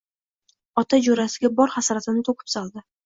Ota jo‘rasiga bor hasratini to‘kib soldi